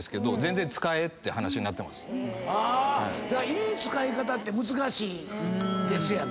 いい使い方って難しいですやんか。